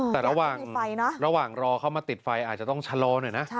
แต่ระหว่างระหว่างรอเข้ามาติดไฟอาจจะต้องชะลอหน่อยนะ